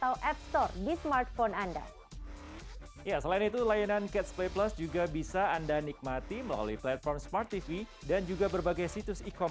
untuk film film blockbuster terbaik